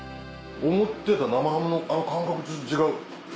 思ってた生ハムのあの感覚と違う。